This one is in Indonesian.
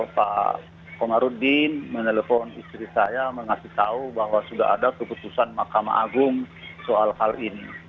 pak komarudin menelpon istri saya mengasih tahu bahwa sudah ada keputusan mahkamah agung soal hal ini